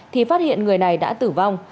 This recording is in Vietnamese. thì phát hiện người này đã tử vong